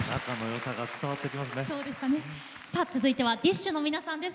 続いてはＤＩＳＨ／／の皆さんです。